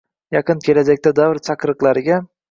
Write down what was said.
yaqin kelajakda davr chaqiriqlariga